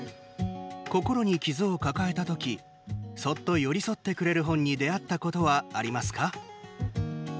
心に傷を抱えた時そっと寄り添ってくれる本に出会ったことはありますか？